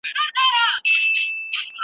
چرګان په شپه کي نه ږغیږي.